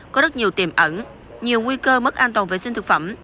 có rất nhiều tiềm ẩn nhiều nguy cơ mất an toàn vệ sinh thực phẩm